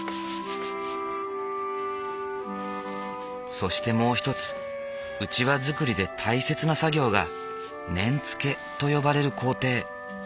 そしてもう一つうちわ作りで大切な作業が念付けと呼ばれる工程。